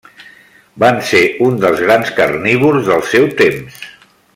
Van ser un dels grans carnívors del seu temps.